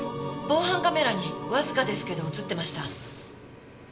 防犯カメラにわずかですけど映ってました。